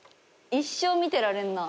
一生見てられんな。